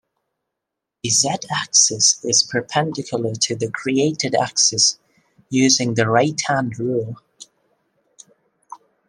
The z-axis is perpendicular to the created axis using the right-hand rule.